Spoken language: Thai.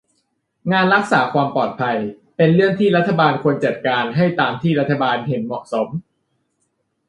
งานรักษาความปลอดภัย เป็นเรื่องที่รัฐบาลควรจัดการให้ตามที่รัฐบาลห็นเหมาะสม